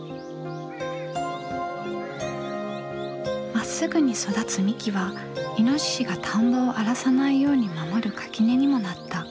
まっすぐに育つ幹はイノシシが田んぼを荒らさないように守る垣根にもなった。